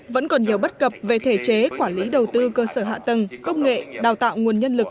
vẫn còn nhiều bất cập về thể chế quản lý đầu tư cơ sở hạ tầng công nghệ đào tạo nguồn nhân lực